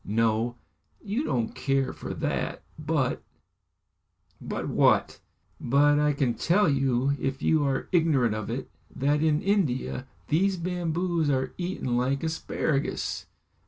No! you don't care for that. But " "But what?" "But I can tell you, if you are ignorant of it, that in India these bamboos are eaten like asparagus."